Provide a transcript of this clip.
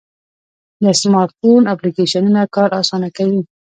د سمارټ فون اپلیکیشنونه کار آسانه کوي.